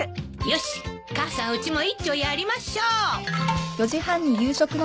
よし母さんうちも一丁やりましょう。